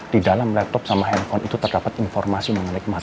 di dalam laptop sama handphone itu terdapat informasi mengenai masalah